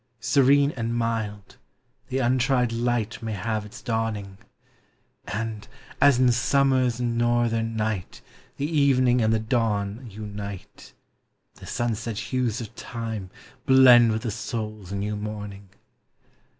Serene and mild, the untried light May have its dawning; And, as in summers northern night The evening and the dawn unite, The sunset hues of Time blend with the soul's new morning.